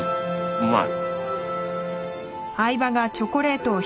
うまい。